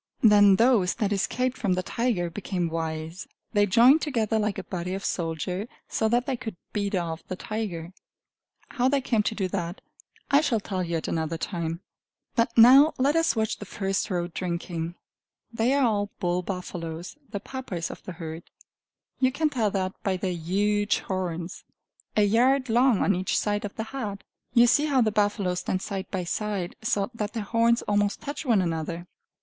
Then those that escaped from the tiger became wise; they joined together like a body of soldiers, so that they could beat off the tiger. How they came to do that, I shall tell you at another time. But now let us watch the first row drinking. They are all bull buffaloes, the Papas of the herd; you can tell that by their huge horns, a yard long on each side of the head. You see how the buffaloes stand side by side, so that their horns almost touch one another.